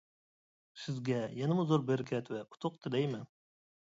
سىزگە يەنىمۇ زور بەرىكەت ۋە ئۇتۇق تىلەيمەن.